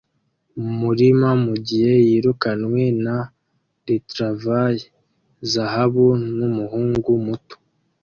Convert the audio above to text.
mumurima mugihe yirukanwe na retriever zahabu numuhungu muto